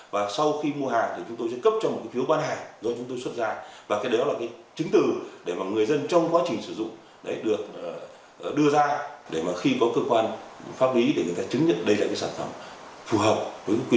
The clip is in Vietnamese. và sau khi mua hàng thì chúng tôi sẽ cấp cho một cái phiếu bán hàng do chúng tôi xuất ra và cái đó là cái chứng từ để mà người dân trong quá trình sử dụng được đưa ra để mà khi có cơ quan pháp lý để người ta chứng nhận đây là cái sản phẩm phù hợp với quy định